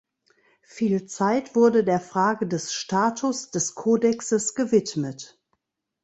Viel Zeit wurde der Frage des Status des Kodexes gewidmet.